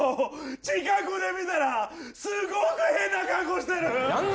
近くで見たらすごく変な格好してる！